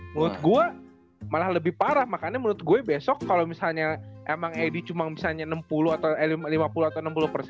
menurut gue malah lebih parah makanya menurut gue besok kalau misalnya emang ed cuma misalnya enam puluh atau lima puluh atau enam puluh persen